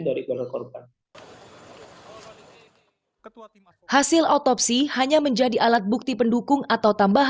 dari kepala korban hasil otopsi hanya menjadi alat bukti pendukung atau